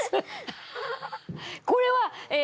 これはえ